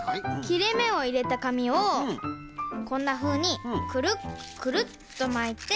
きれめをいれたかみをこんなふうにくるっくるっとまいて。